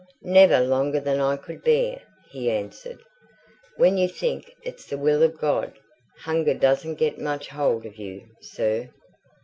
"Never longer than I could bear," he answered. "When you think it's the will of God, hunger doesn't get much hold of you, sir."